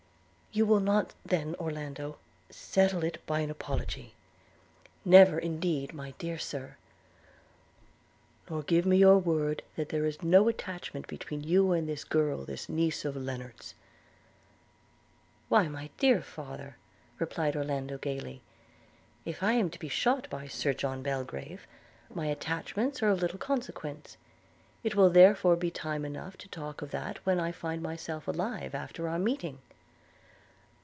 'You will not then, Orlando, settle it by an apology?' 'Never, indeed, my dear Sir.' 'Nor give me your word that there is no attachment between you and this girl, this niece of Lennard's?' 'Why, my dear father,' replied Orlando gaily, 'if I am to be shot by Sir John Belgrave, my attachments are of little consequence; it will therefore be time enough to talk of that when I find myself alive after our meeting.'